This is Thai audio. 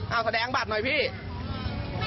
เอาแสดงบัตรหน่อยพี่